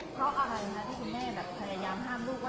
เขารู้อะไรนะครับคุณแม่